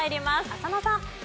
浅野さん。